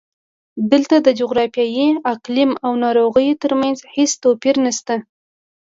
دلته د جغرافیې، اقلیم او ناروغیو ترمنځ هېڅ توپیر نشته.